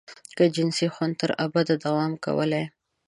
که جنسي خوند تر ابده دوام کولای.